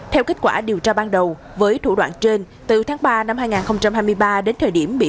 theo kết quả điều tra ban đầu với thủ đoạn trên từ tháng ba năm hai nghìn hai mươi ba đến thời điểm bị